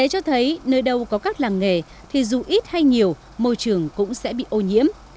cho thấy nơi đâu có các làng nghề thì dù ít hay nhiều môi trường cũng sẽ bị ô nhiễm